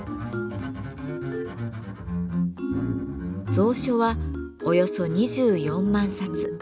蔵書はおよそ２４万冊。